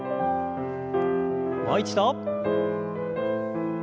もう一度。